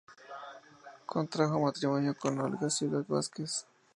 Contrajo matrimonio con Olga Ciudad Vásquez.